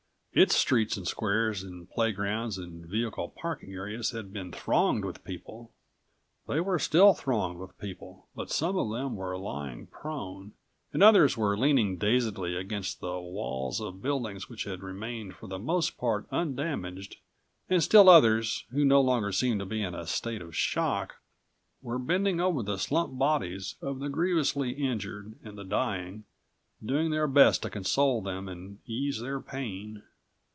Its streets and squares and playgrounds and vehicle parking areas had been thronged with people. They were still thronged with people but some of them were lying prone, and others were leaning dazedly against the walls of buildings which had remained for the most part undamaged and still others, who no longer seemed to be in a state of shock, were bending over the slumped bodies of the grievously injured and the dying, doing their best to console them and ease their pain.